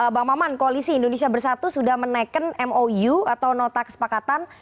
bang maman koalisi indonesia bersatu sudah menaikkan mou atau nota kesepakatan